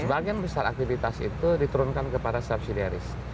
sebagian besar aktivitas itu diturunkan kepada subsidiaris